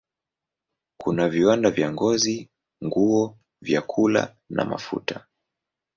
Kuna viwanda vya ngozi, nguo, vyakula na mafuta.